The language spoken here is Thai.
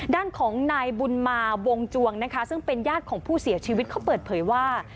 ด้านของนายบุญมาวงจวงนะคะซึ่งเป็นญาติของผู้เสียชีวิตเขาเปิดเผยว่า